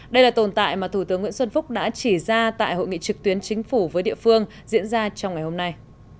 đây là tồn tại mà thủ tướng nguyễn xuân phúc đã chỉ ra tại hội nghị trực tuyến chính phủ với địa phương diễn ra trong ngày hôm nay